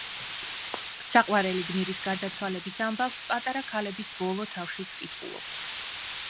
საყვარელი გმირის გარდაცვალების ამბავს „პატარა ქალების“ ბოლო თავშიც ვკითხულობთ.